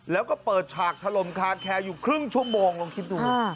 แล้วก็เปิดฉากถล่มคาแคร์อยู่ครึ่งชั่วโมงลองคิดดู